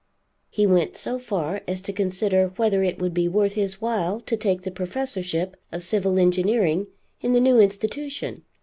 He went so far as to consider whether it would be worth his while to take the professorship of civil engineering in the new institution.